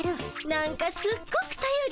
なんかすっごくたよりになるわ。